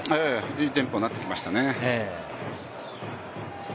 いいテンポになってきましたね。